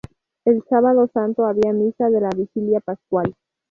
El Sábado Santo había misa de la vigilia pascual.